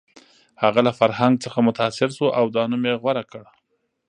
هغه له فرهنګ څخه متاثر شو او دا نوم یې غوره کړ